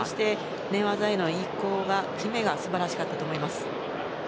寝技への移行が素晴らしかったと思います。